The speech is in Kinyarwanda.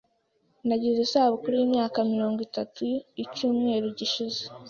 Nagize isabukuru yimyaka mirongo itatu icyumweru gishize.